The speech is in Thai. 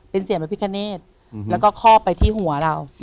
เป็นเสียงพระพิคเนธแล้วก็คอบไปที่หัวเรา